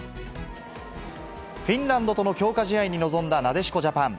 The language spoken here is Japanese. フィンランドとの強化試合に臨んだなでしこジャパン。